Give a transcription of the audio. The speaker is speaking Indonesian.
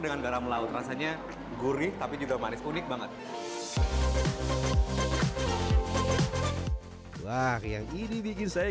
dengan garam laut rasanya gurih tapi juga manis unik banget wah yang ini bikin saya